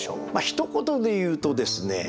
ひと言で言うとですね